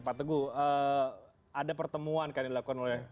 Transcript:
pak teguh ada pertemuan kan yang dilakukan oleh